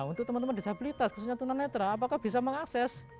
untuk teman teman disabilitas khususnya tunanetra apakah bisa mengakses